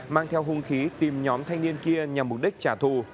mang theo hung khí tìm nhóm thanh niên kia nhằm mục đích trả thù